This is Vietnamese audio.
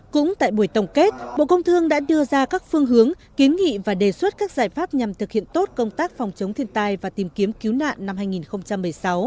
cũng tại buổi tổng kết bộ công thương đã đưa ra các phương hướng kiến nghị và đề xuất các giải pháp nhằm thực hiện tốt công tác phòng chống thiên tai và tìm kiếm cứu nạn năm hai nghìn một mươi sáu